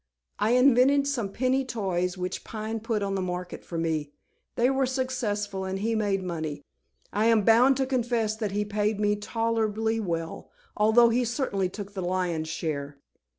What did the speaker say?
I invented some penny toys, which Pine put on the market for me. They were successful and he made money. I am bound to confess that he paid me tolerably well, although he certainly took the lion's share.